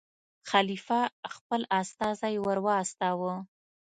خلیفه خپل استازی ور واستاوه.